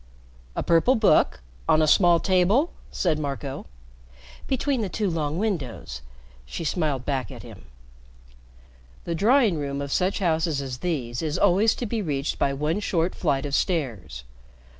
"A purple book? On a small table?" said Marco. "Between the two long windows," she smiled back at him. The drawing room of such houses as these is always to be reached by one short flight of stairs.